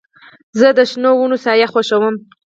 زه د شنو ونو سایه خوښوم.